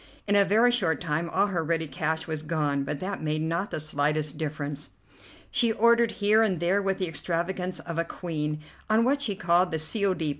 In a very short time all her ready cash was gone, but that made not the slightest difference. She ordered here and there with the extravagance of a queen, on what she called the "C. O. D."